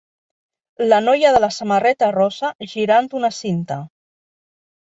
La noia de la samarreta rosa girant una cinta